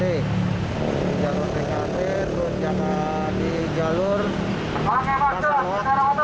di jalur bkt di jalur pasar mok